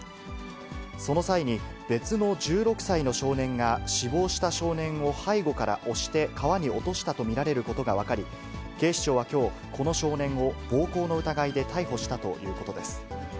その際に、別の１６歳の少年が、死亡した少年を背後から押して川に落としたと見られることが分かり、警視庁はきょう、この少年を暴行の疑いで逮捕したということです。